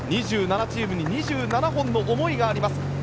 ２７チームに２７の思いがあります。